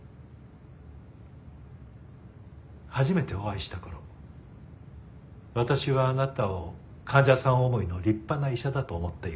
初めてお会いした頃私はあなたを患者さん思いの立派な医者だと思っていました。